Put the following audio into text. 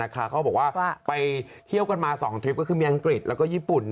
เขาบอกว่าไปเที่ยวกันมา๒ทริปก็คือมีอังกฤษแล้วก็ญี่ปุ่น